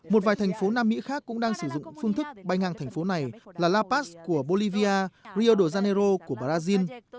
một vài thành phố nam mỹ khác cũng đang sử dụng phương thức bay ngang thành phố này là lapas của bolivia rio de janeiro của brazil